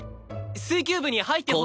水球部に入ってほしい。